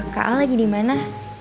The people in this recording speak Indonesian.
kak al lagi dimana